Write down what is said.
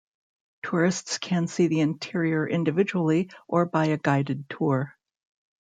Tourists can see the interior individually or by a guided tour.